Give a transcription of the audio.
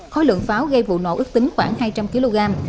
khối lượng pháo gây vụ nổ ước tính khoảng hai trăm linh kg